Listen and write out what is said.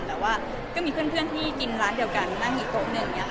แต่ว่าก็มีเพื่อนที่กินร้านเดียวกันนั่งอีกโต๊ะหนึ่งอย่างนี้